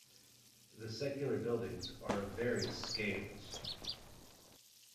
The secular buildings are of various scales.